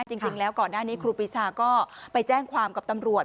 จริงแล้วก่อนหน้านี้ครูปีชาก็ไปแจ้งความกับตำรวจ